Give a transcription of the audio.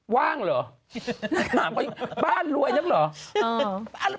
ว่างเหรอบ้านรวยอย่างนั้นเหรอ